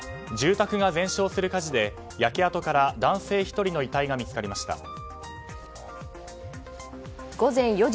住宅が全焼する火事で焼け跡から男性１人の遺体が見つかりました。